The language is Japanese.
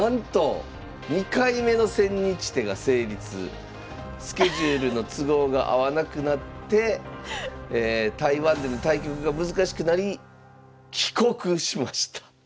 また⁉なんとスケジュールの都合が合わなくなって台湾での対局が難しくなり帰国しました。